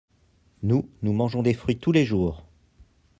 nous, nous mangeons des fruits tous les jours.